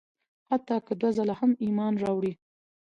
حتی که دوه ځله هم ایمان راوړي.